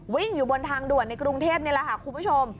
วิ่งอยู่บนทางด่วนในกรุงเทพนี่แหละค่ะคุณผู้ชม